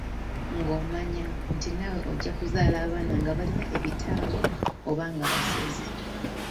Ng’omanya nti naawe ojja kuzaala abaana nga balina ebitambo oba nga basezi.